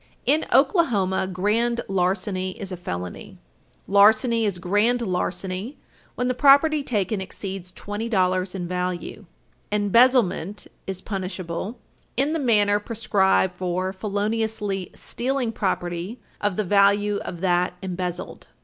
In Oklahoma, grand larceny is a felony. Okla.Stats.Ann. Tit. 21, §§ 1705, 5. Larceny is grand larceny when the property taken exceeds $20 in value. Id., § 1704. Embezzlement is punishable "in the manner prescribed for feloniously stealing property of the value of that embezzled." Id.